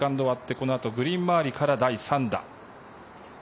このあとグリーン周りから第３打。